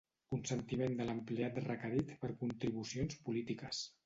Consentiment de l'empleat requerit per contribucions polítiques.